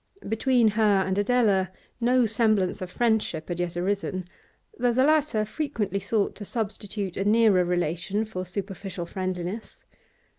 Between her and Adela no semblance of friendship had yet arisen, though the latter frequently sought to substitute a nearer relation for superficial friendliness.